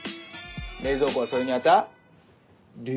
冷蔵庫はそれに当たる。